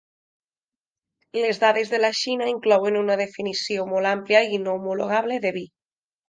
Les dades de la Xina inclouen una definició molt àmplia i no homologable de vi.